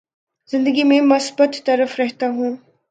زندگی میں مثبت طرف رہتا ہوں